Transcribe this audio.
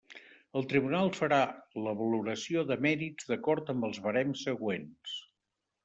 El Tribunal farà la valoració de mèrits d'acord amb els barems següents.